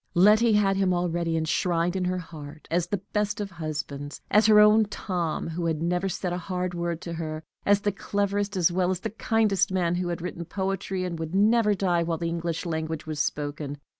_ Letty had him already enshrined in her heart as the best of husbands as her own Tom, who had never said a hard word to her as the cleverest as well as kindest of men who had written poetry that would never die while the English language was spoken.